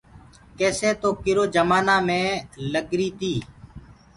ڪيسي تو ڪِرو جمآنآ مين لَگريٚ تيٚ۔